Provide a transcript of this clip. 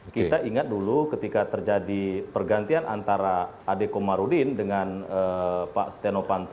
kita ingat dulu ketika terjadi pergantian antara adekomarudin dengan pak setia novanto